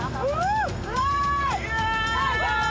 すごい！